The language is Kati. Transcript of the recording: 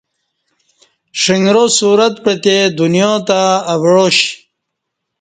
ݜݣرا صورت پعتے دنیاتہ اوعا ش